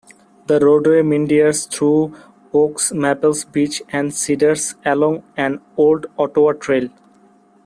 The roadway meanders through oaks, maples, birch and cedars along an old Ottawa trail.